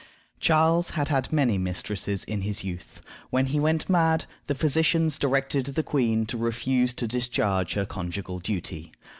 Charles had had many mistresses in his youth. When he went mad, the physicians directed the queen to refuse to discharge her conjugal duty.